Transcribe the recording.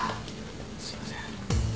すいません。